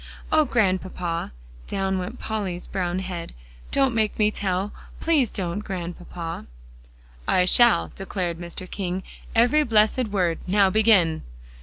"Oh, Grandpapa!" down went Polly's brown head, "don't make me tell. Please don't, Grandpapa." "I shall!" declared Mr. King; "every blessed word. Now begin!"